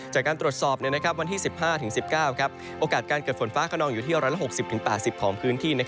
จากการตรวจสอบวันที่๑๕๑๙โอกาสการเกิดฝนฟ้าขนองอยู่ที่๑๖๐๘๐ของพื้นที่